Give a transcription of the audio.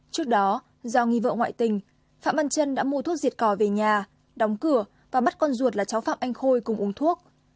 trước đó do nghi vợ ngoại tình phạm văn trân đã mua thuốc diệt cỏ về nhà đóng cửa và bắt con ruột là cháu phạm anh khôi cùng uống thuốc